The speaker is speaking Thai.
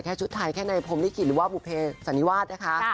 แค่ชุดไทยแค่ในพลิคิตหรือว่าปุเผสันิวาดนะคะ